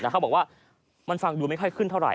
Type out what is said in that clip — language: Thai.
แต่เขาบอกว่ามันฟังดูไม่ค่อยขึ้นเท่าไห